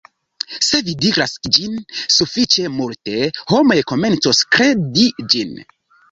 se vi diras ĝin sufiĉe multe, homoj komencos kredi ĝin